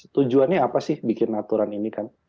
tujuannya apa sih bikin aturan ini kan